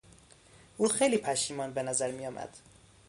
او خیلی پشیمان به نظر میآمد.